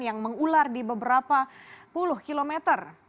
yang mengular di beberapa puluh kilometer